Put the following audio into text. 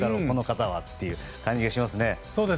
この方はという感じがしますね。